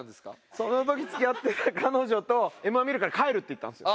その時付き合ってた彼女と「『Ｍ−１』見るから帰る」って言ったんですよ。